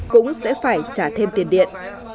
cũng sẽ phải trả thêm tiền điện